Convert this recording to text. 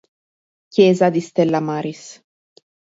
Chiesa di Stella Maris